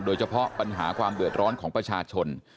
โดยเฉพาะปัญหาความเดือดร้อนของประชาชน